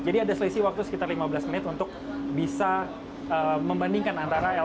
jadi ada selisih waktu sekitar lima belas menit untuk bisa membandingkan antara lrt